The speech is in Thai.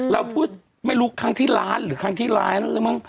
เราพูดไม่รู้ครั้งที่ล้านหรือครั้งที่ล้านแล้วมั้ง